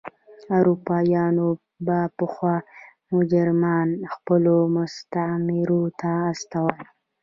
اروپایانو به پخوا مجرمان خپلو مستعمرو ته استول.